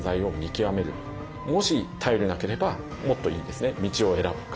もし頼れなければもっといい道を選ぶか。